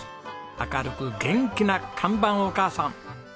明るく元気な看板お母さん！